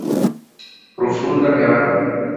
Profunda eraro!